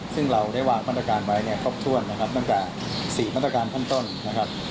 ซึ่งเราได้วางมาตรการไว้เนี่ยครบถ้วนนะครับตั้งแต่๔มาตรการขั้นต้นนะครับ